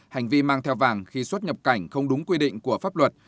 hành vi mang theo vàng khi xuất nhập cảnh không đúng quy định của pháp luật